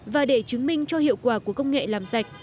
và để chứng minh cho hiệu quả của công nghệ làm sạch